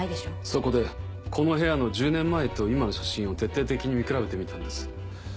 そこでこの部屋の１０年前と今の写真を徹底的に見比べてみたんです。